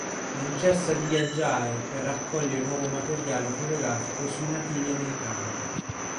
Non cessa di viaggiare per raccogliere nuovo materiale fotografico sui nativi americani.